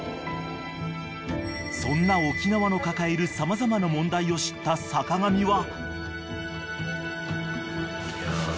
［そんな沖縄の抱える様々な問題を知った坂上は］